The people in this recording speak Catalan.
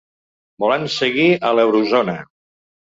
Volem seguir a l’eurozona.